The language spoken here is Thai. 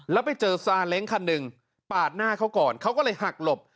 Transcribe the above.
แล้วไปเจอซาเล้งคันหนึ่งปาดหน้าเขาก่อนเขาก็เลยหักหลบ